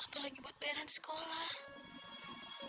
apalagi buat bayaran sekolah